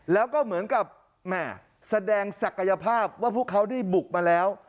แล้วก็เหมือนกับแหม่แสดงศักยภาพว่าพวกเขาได้บุกมาแล้ว